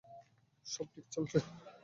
সব ঠিক চলছে?